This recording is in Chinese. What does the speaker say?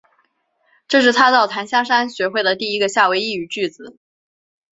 这是他到檀香山学会的第一个夏威夷语句子。